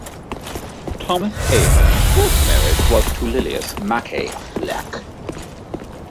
Thomas Ahearn's first marriage was to Lilias Mackay Fleck.